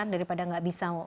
daripada gak bisa